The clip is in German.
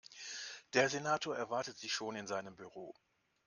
Der Senator erwartet Sie schon in seinem Büro.